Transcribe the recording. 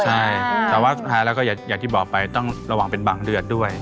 ใช่แต่ว่าสุดท้ายแล้วก็อย่างที่บอกไปต้องระวังเป็นบางเดือนด้วย